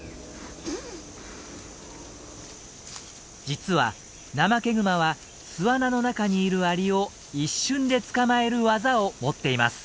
実はナマケグマは巣穴の中にいるアリを一瞬で捕まえる技を持っています。